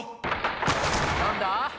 何だ？